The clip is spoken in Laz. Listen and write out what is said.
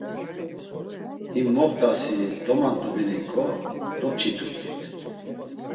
Him moxt̆asi domant̆obineyǩo, dopçiturt̆it.